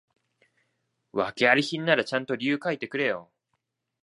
訳あり品ならちゃんと理由書いてくれよ